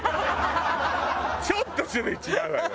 ちょっと種類違うわよ。